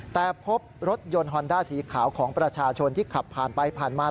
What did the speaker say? แต่พบรถยนต์ฮอนด้าสีขาวของประชาชนที่ขับผ่านไปผ่านมา